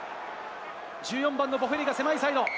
１４番のボフェリが狭いサイド。